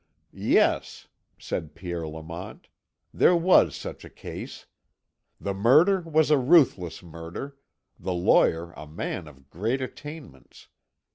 "Yes," said Pierre Lamont, "there was such a case. The murder was a ruthless murder; the lawyer a man of great attainments.